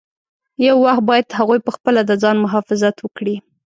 یو وخت باید هغوی پخپله د ځان مخافظت وکړي.